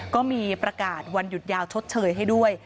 ก็มีประกาศวันหยุดยาวชดเชยให้ด้วย